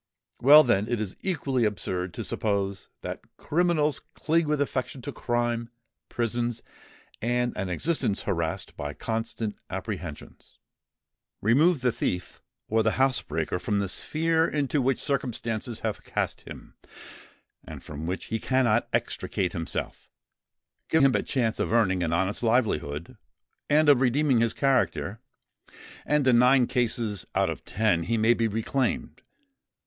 Well, then, it is equally absurd to suppose that criminals cling with affection to crime, prisons, and an existence harassed by constant apprehensions. Remove the thief or the housebreaker from the sphere into which circumstances have cast him, and from which he cannot extricate himself,—give him a chance of earning an honest livelihood, and of redeeming his character,—and in nine cases out of ten, he may be reclaimed.